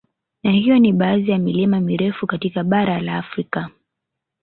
Na hiyo ni baadhi ya milima mirefu katika bara la Afrika